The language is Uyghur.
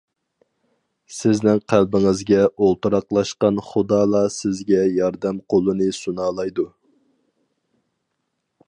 سىزنىڭ قەلبىڭىزگە ئولتۇراقلاشقان خۇدالا سىزگە ياردەم قولىنى سۇنالايدۇ.